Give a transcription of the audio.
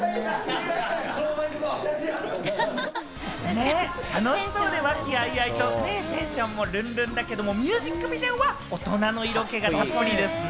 ね、楽しそうで、和気あいあいとテンションもルンルンだけれども、ミュージックビデオは大人の色気がたっぷりですね。